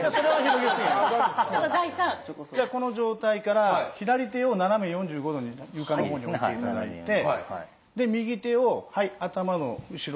じゃあこの状態から左手を斜め４５度に床のほうに置いて頂いて右手を頭の後ろ。